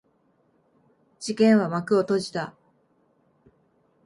事件は幕を閉じた。